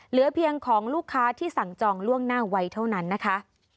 เหลือเพียงของลูกค้าที่สั่งจองล่วงหน้าไว้เท่านั้นนะคะ